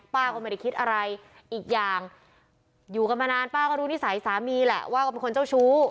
ป้าก็ไม่ได้คิดอะไรอีกอย่างอยู่กันมานานป้าก็รู้นิสัยสามีแหละว่าก็เป็นคนเจ้าชู้